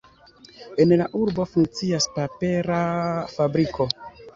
En la urbo funkcias papera fabriko.